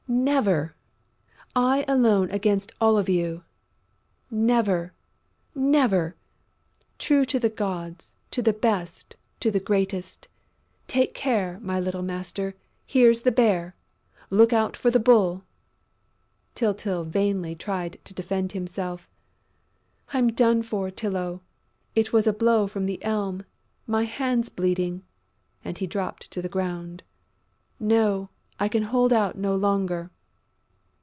Never!... I alone against all of you!... Never! Never!... True to the gods, to the best, to the greatest!... Take care, my little master, here's the Bear!... Look out for the Bull!" Tyltyl vainly tried to defend himself: "I'm done for, Tylô! It was a blow from the Elm! My hand's bleeding!" And he dropped to the ground. "No, I can hold out no longer!"